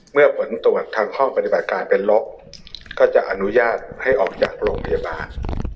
เมื่อผลตรวจทางห้องปฏิบัติการเป็นลบก็จะอนุญาตให้ออกจากโรงพยาบาล